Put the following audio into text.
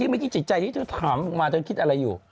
ไม่คิดใจที่จะถามมาคิดอะไรอยู่